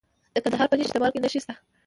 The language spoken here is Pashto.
د کندهار په نیش کې د مالګې نښې شته.